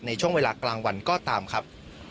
ในช่วงเวลากลางวันก็ตามครับ